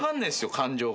感情が。